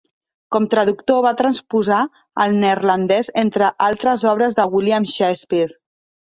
Com traductor va transposar al neerlandès entre altres obres de William Shakespeare.